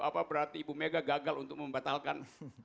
apa berarti ibu mega gagal untuk membatalkan